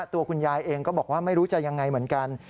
ตัวคุณยายเองก็บอกว่าไม่รู้จะยังไงเหมือนกัน